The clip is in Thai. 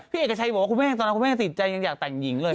พี่เอกจะใช้บอกว่าคุณแม่งตอนนั้นคุณแม่งติดใจอยากแต่งหญิงเลย